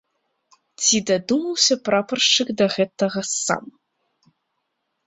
Ці дадумаўся прапаршчык да гэтага сам?